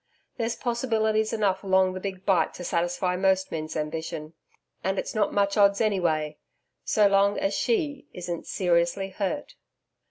There's possibilities enough along the Big Bight to satisfy most men's ambition. And it's not much odds any way, so long as SHE isn't seriously hurt.'